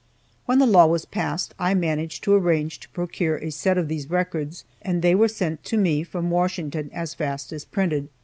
When the law was passed I managed to arrange to procure a set of these Records and they were sent to me from Washington as fast as printed.